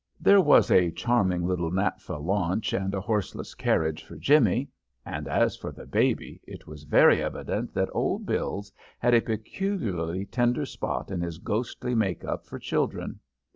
There was a charming little naphtha launch and a horseless carriage for Jimmy, and, as for the baby, it was very evident that Old Bills had a peculiarly tender spot in his ghostly make up for children.